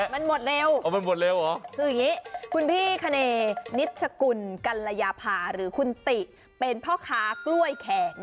มันหมดเร็วคืออย่างงี้คุณพี่ขนเนธนิชกุลกัลลยภาคมหรือคุณติเป็นพ่อค้ากล้วยแขก